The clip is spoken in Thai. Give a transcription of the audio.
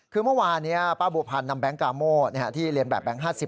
คือเมื่อวานนี้ป้าบัวพันธ์นำแก๊งกาโมที่เรียนแบบแก๊ง๕๐